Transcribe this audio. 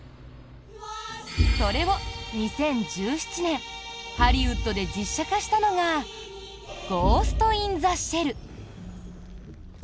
それを、２０１７年ハリウッドで実写化したのが「ゴースト・イン・ザ・シェル」。